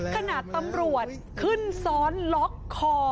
ขนาดตำรวจขึ้นซ้อนล็อกคอ